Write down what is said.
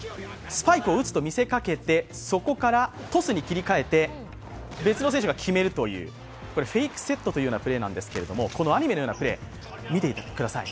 スパイクを打つと見せかけてそこからトスに切り替えて別の選手が決めるという、フェイクセットというプレーですが、このアニメのようなプレー、見てください。